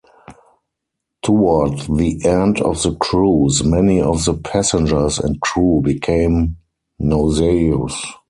Toward the end of the cruise, many of the passengers and crew became nauseous.